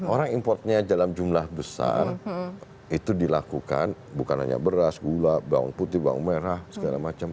orang importnya dalam jumlah besar itu dilakukan bukan hanya beras gula bawang putih bawang merah segala macam